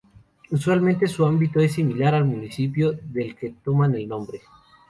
Usualmente, su ámbito es similar al municipio del que toman el nombre.